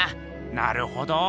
なるほど。